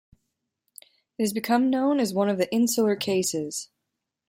It has become known as one of the "Insular Cases".